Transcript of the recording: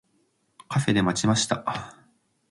カフェで待ちました。